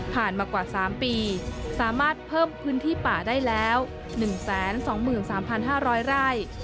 มากว่า๓ปีสามารถเพิ่มพื้นที่ป่าได้แล้ว๑๒๓๕๐๐ไร่